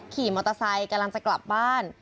ขี่มอเตอร์ไซค์กำลังจะกลับบ้าน